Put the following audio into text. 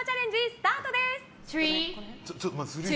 スタートです！